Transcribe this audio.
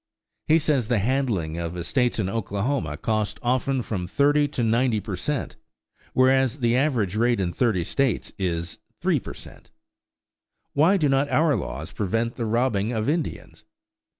He says the handling of estates in Oklahoma costs often from 30 to 90 per cent., whereas the average rate in thirty states is 3 per cent. "Why do not our laws prevent the robbing of Indians?